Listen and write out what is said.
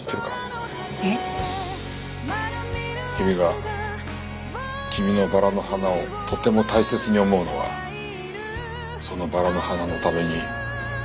「きみがきみのバラの花をとても大切に思うのはそのバラの花のために時間をかけたからだ」。